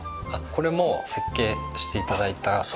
これも設計して頂いた方が。